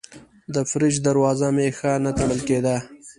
د فریج دروازه مې ښه نه تړل کېده.